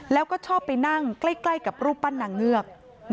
แล้วก็ชอบไปนั่งใกล้กับรูปปั้นนางเงือก